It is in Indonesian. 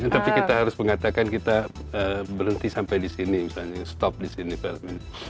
tapi kita harus mengatakan kita berhenti sampai di sini misalnya stop di sini film